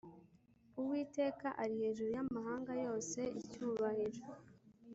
Uwiteka ari hejuru y amahanga yose Icyubahiro